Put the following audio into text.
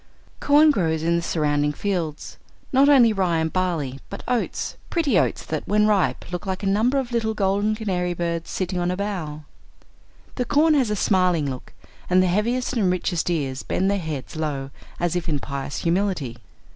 Corn grows in the surrounding fields, not only rye and barley, but oats, pretty oats that, when ripe, look like a number of little golden canary birds sitting on a bough. The corn has a smiling look and the heaviest and richest ears bend their heads low as if in pious humility.